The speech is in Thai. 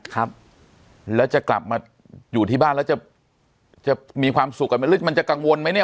ครับแล้วจะกลับมาอยู่ที่บ้านแล้วจะจะมีความสุขกันไหมหรือมันจะกังวลไหมเนี่ย